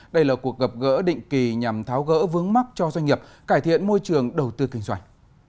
đây là cuộc gặp gỡ định kỳ nhằm tháo gỡ vướng mắt cho doanh nghiệp cải thiện môi trường đầu tư kinh doanh